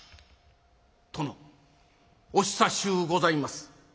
「殿お久しゅうございます。